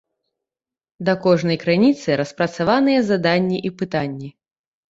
Да кожнай крыніцы распрацаваныя заданні і пытанні.